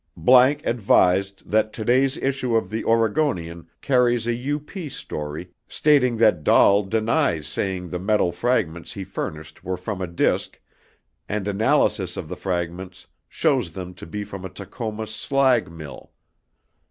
____ ADVISED THAT TODAY'S ISSUE OF THE OREGONIAN CARRIES A UP STORY STATING THAT DAHL DENIES SAYING THE METAL FRAGMENTS HE FURNISHED WERE FROM A DISC, AND ANALYSIS OF THE FRAGMENTS SHOWS THEM TO BE FROM A TACOMA SLAG MILL.